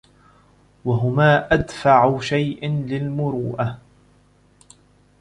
وَهُمَا أَدْفَعُ شَيْءٍ لِلْمُرُوءَةِ